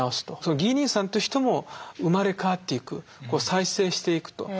ギー兄さんという人も生まれ変わっていく再生していくと。